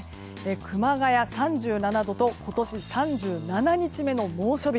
熊谷、３７度と今年３７日目の猛暑日。